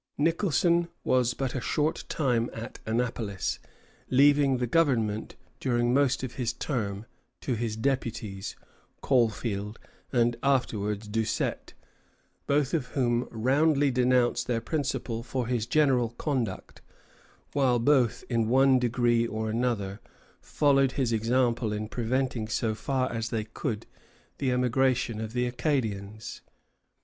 Nicholson was but a short time at Annapolis, leaving the government, during most of his term, to his deputies, Caulfield and afterwards Doucette, both of whom roundly denounce their principal for his general conduct; while both, in one degree or another, followed his example in preventing so far as they could the emigration of the Acadians.